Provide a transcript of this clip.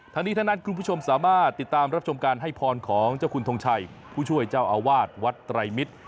ทั้งนี้ทั้งนั้นคุณผู้ชมสามารถติดตามรับชมการให้พรของเจ้าคุณทงชัยผู้ช่วยเจ้าอาวาสวัดไตรมิตร